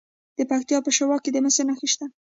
د پکتیا په شواک کې د مسو نښې شته.